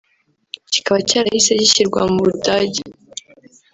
kikaba cyarahise gishyirwa mu Budage